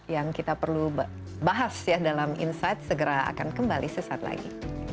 yang kita perlu bahas ya dalam insight segera akan kembali sesaat lagi